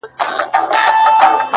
اے مينې ستا د هر موسم باد سره والوتمه